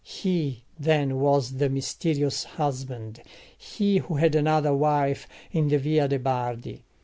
he then was the mysterious husband; he who had another wife in the Via de' Bardi.